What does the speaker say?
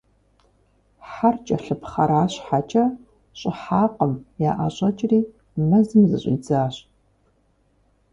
Хьэр кӀэлъыпхъэра щхьэкӀэ, щӀыхьакъым - яӀэщӀэкӀри, мэзым зыщӀидзащ.